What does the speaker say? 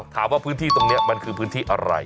ถามว่าพื้นที่ตรงนี้มันคือพื้นที่อะไร